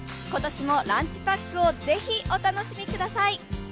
今年もランチパックをぜひお楽しみください。